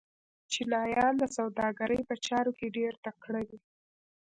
چینایان د سوداګرۍ په چارو کې ډېر تکړه دي.